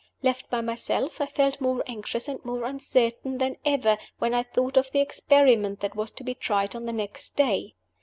Left by myself, I felt more anxious and more uncertain than ever when I thought of the experiment that was to be tried on the next day.